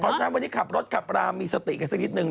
เพราะฉะนั้นวันนี้ขับรถขับรามีสติกันสักนิดนึง